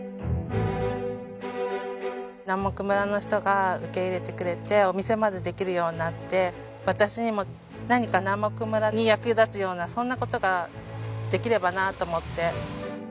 南牧村の人が受け入れてくれてお店までできるようになって私にも何か南牧村に役立つようなそんな事ができればなと思って。